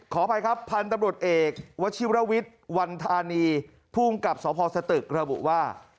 ขออภัยครับพันธุ์ตำรวจเอกวชิรวิทย์วันธานีภูมิกับสพสตึกระบุว่า